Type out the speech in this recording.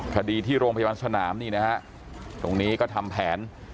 คดีที่โรงพยาบาลสนามนี่นะฮะตรงนี้ก็ทำแผน